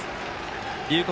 龍谷